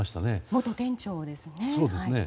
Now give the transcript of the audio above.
元店長ですね。